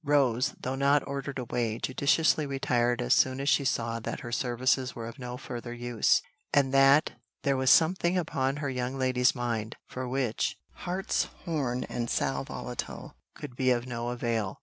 Rose, though not ordered away, judiciously retired as soon as she saw that her services were of no further use, and that there was something upon her young lady's mind, for which, hartshorn and sal volatile could be of no avail.